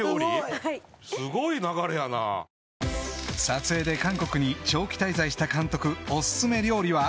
［撮影で韓国に長期滞在した監督お薦め料理は？］